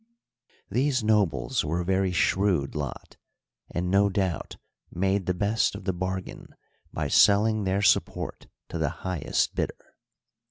These nobles were a very shrewd lot, and no doubt made the best of the bargain by selling their support to the highest bidder.